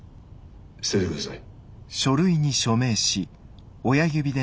捨ててください。